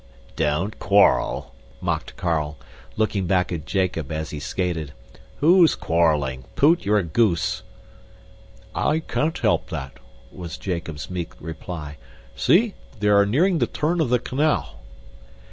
"Don't quarrel!" mocked Carl, looking back at Jacob as he skated. "Who's quarreling? Poot, you're a goose!" "I can't help that," was Jacob's meek reply. "See! they are nearing the turn of the canal."